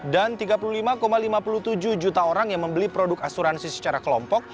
dan tiga puluh lima lima puluh tujuh juta orang yang membeli produk asuransi secara kelompok